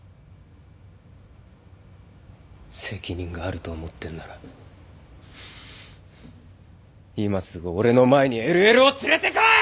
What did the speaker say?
責任があると思ってんなら今すぐ俺の前にＬＬを連れてこい！